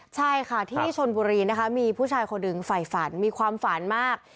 ใช่ค่ะที่ชนบุรีนะคะมีผู้ชายคนหนึ่งฝ่ายฝันมีความฝันมาก